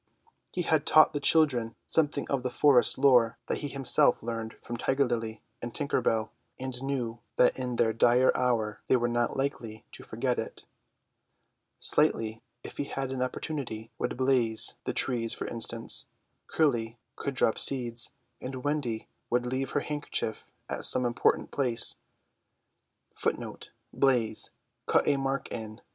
He had taught the children something of the forest lore that he had himself learned from Tiger Lily and Tinker Bell, and knew that in their dire hour they were not likely to forget it. Slightly, if he had an opportunity, would blaze the trees, for instance, Curly would drop seeds, and Wendy would leave her handkerchief at some important place.